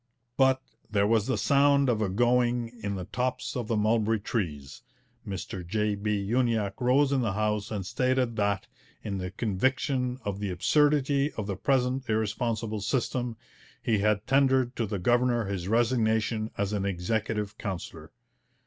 But 'there was the sound of a going in the tops of the mulberry trees.' Mr J. B. Uniacke rose in the House and stated that, in the conviction of the absurdity of the present irresponsible system, he had tendered to the governor his resignation as an Executive Councillor.